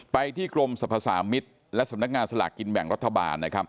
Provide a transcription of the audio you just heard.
ไปที่กรมสัมภาษามิตรและสำนักงานสลากกินแบ่งรัฐบาล